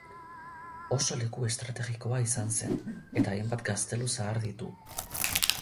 Oso leku estrategikoa izan zen eta hainbat gaztelu zahar ditu.